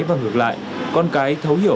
và ngược lại con cái thấu hiểu